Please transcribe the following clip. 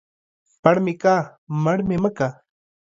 پړ مې که ، مړ مې که.